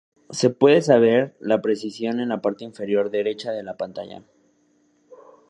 Se puede saber la precisión en la parte inferior derecha de la pantalla.